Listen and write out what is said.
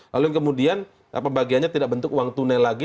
lalu yang kemudian pembagiannya tidak bentuk uang tunai lagi